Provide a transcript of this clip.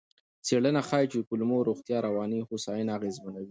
څېړنه ښيي چې کولمو روغتیا رواني هوساینه اغېزمنوي.